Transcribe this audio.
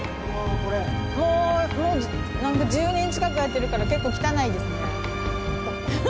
もう１０年近くやってるから結構汚いですね。